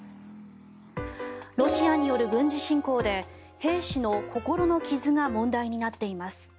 ロシアによる軍事侵攻で兵士の心の傷が問題になっています。